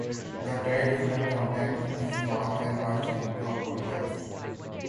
The trade union condemned his remarks and urged him to apologise.